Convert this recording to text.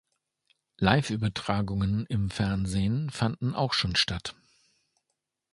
Live-Übertragungen im Fernsehen fanden auch schon statt.